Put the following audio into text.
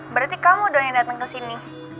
berarti kamu doang yang dateng kesini